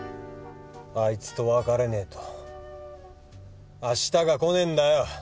あいつと別れねぇと明日が来ねんだよ！